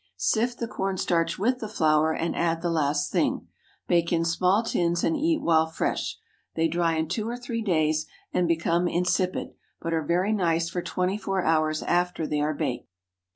Sift the corn starch with the flour, and add the last thing. Bake in small tins and eat while fresh. They dry in two or three days and become insipid, but are very nice for twenty four hours after they are baked.